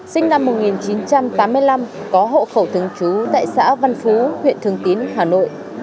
sinh năm một nghìn chín trăm tám mươi năm có hộ khẩu thường trú tại xã văn phú huyện thường tín hà nội